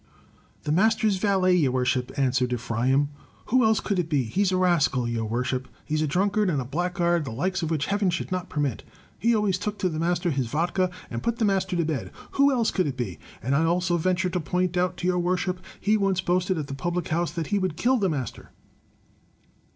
"The master's valet, your worship," answered Ephraim. "Who else could it be? He's a rascal, your worship! He's a drunkard and a blackguard, the like of which Heaven should not permit! He always took the master his vodka and put the master to bed. Who else cotdd it be? And I also venture to point out to your worship, he once boasted at the public house that he would kill the master!"